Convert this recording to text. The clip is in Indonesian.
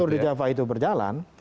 tur di java itu berjalan